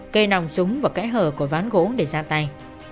cây nòng súng và cái hờ của ván gỗ để ra tay